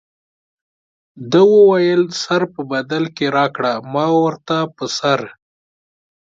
ده وویل سر په بدل کې راکړه ما ورته په سر.